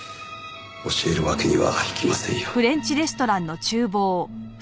教えるわけにはいきませんよ。